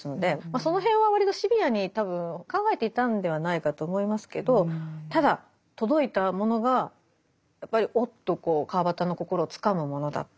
その辺は割とシビアに多分考えていたんではないかと思いますけどただ届いたものがやっぱりおっと川端の心をつかむものだった。